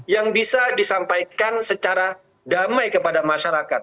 yang bisa disampaikan secara damai kepada masyarakat